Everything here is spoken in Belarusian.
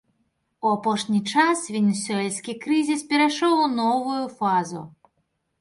У апошні час венесуэльскі крызіс перайшоў у новую фазу.